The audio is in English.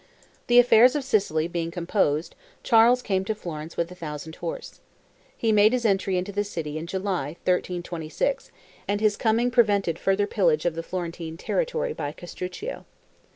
The affairs of Sicily being composed, Charles came to Florence with a thousand horse. He made his entry into the city in July, 1326, and his coming prevented further pillage of the Florentine territory by Castruccio.